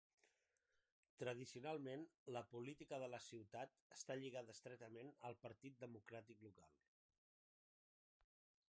Tradicionalment, la política de la ciutat està lligada estretament al Partit Democràtic Local.